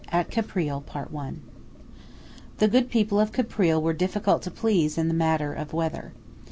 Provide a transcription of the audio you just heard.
AT CAPRILE. THE good people of Caprile were difficult to please in the matter of weather.